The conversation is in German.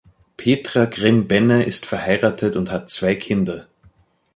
Petra Grimm-Benne ist verheiratet und hat zwei Kinder.